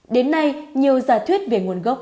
đến nay nhiều giả thuyết về nguồn gốc